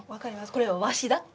これは和紙だって。